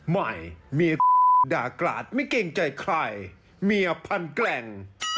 ใหม่เมียด่ากราดไม่เกรงใจใครเมียพันแกร่ง